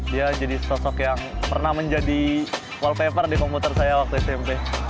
dia jadi sosok yang pernah menjadi wall paper di komputer saya waktu smp